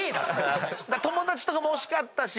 「友達」とかも惜しかったし。